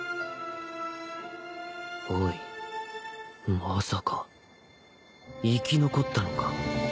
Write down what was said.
おいまさか生き残ったのか？